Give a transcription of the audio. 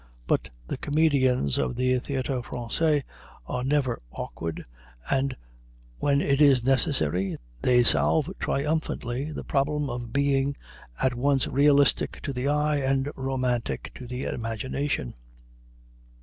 But the comedians of the Théâtre Français are never awkward, and when it is necessary they solve triumphantly the problem of being at once realistic to the eye and romantic to the imagination.